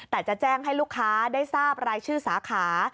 แต่จะแจ้งให้ลูกค้าได้ทราบรายชื่อสาขา